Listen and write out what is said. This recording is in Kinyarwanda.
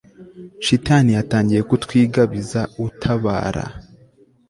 shitani yatangiye kutwigabiza, utabara